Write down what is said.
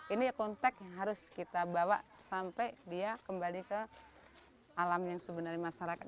ini konteks yang harus kita bawa sampai dia kembali ke alam yang sebenarnya masyarakat